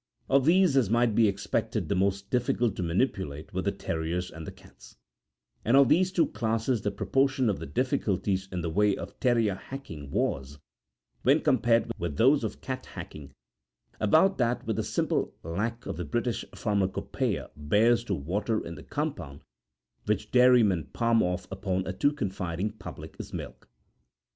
Of these, as might be expected, the most difficult to manipulate were the terriers and the cats, and of these two classes the proportion of the difficulties in the way of terrier hacking was, when compared with those of cat hacking, about that which the simple lac of the British pharmacopoeia bears to water in the compound which dairymen palm off upon a too confiding public as milk.